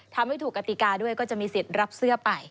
ทำให้ถูกกติกาด้วยก็จะมีสิทธิ์รับเสื้อไป